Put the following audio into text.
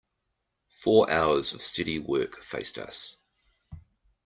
Four hours of steady work faced us.